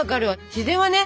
自然はね